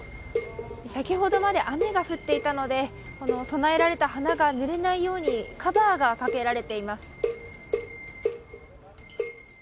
先ほどまで雨が降っていたので供えられた花がぬれないようにカバーがかけられています。